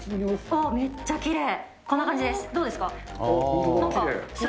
あっ、めっちゃきれい。